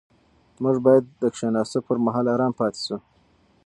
موږ باید د کښېناستو پر مهال ارام پاتې شو.